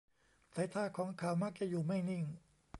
สายตาของเขามักจะอยู่ไม่นิ่ง